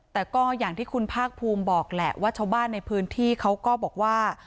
แต่ก็อย่างที่คุณภาคภูมิบอกแหละว่าชาวบ้านในพื้นที่เขาก็บอกว่า